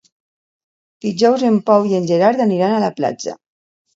Dijous en Pau i en Gerard aniran a la platja.